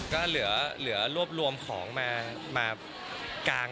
ก็เหลือรวบรวมของมากาง